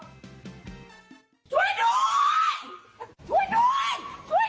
ช่วยด้วย